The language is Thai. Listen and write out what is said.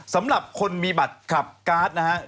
สำหรับคนมีบัตรขับการ์ดนะครับ